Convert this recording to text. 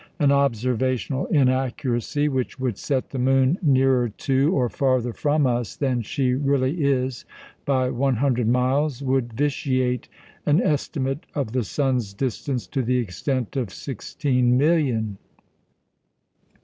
An observational inaccuracy which would set the moon nearer to, or farther from us than she really is by one hundred miles, would vitiate an estimate of the sun's distance to the extent of sixteen million!